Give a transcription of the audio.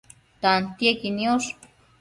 tantiequi niosh